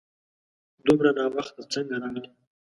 دومره ناوخته څنګه راغلې ؟